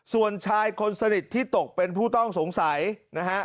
ส่วนชายคนสนิทที่ตกเป็นผู้ต้องสงสัยนะฮะ